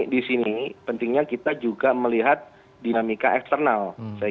di sini pentingnya kita juga melihat dinamika eksternal